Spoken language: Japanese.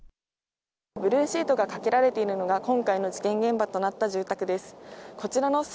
ブルーシートがかけられているのが、今回の事件現場となった住宅です。